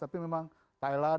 tapi memang thailand